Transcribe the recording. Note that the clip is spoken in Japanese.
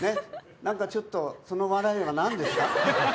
なんかちょっとその笑いはなんですか？